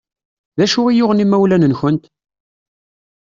D acu i yuɣen imawlan-nkent?